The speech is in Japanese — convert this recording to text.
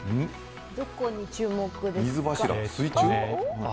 どこに注目ですか。